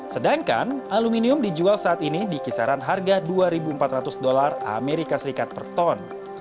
sedangkan aluminium dijual saat ini di kisaran harga dua empat ratus dolar as per ton